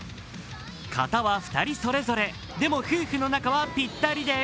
形は２人それぞれ、でも夫婦の仲はぴったりです。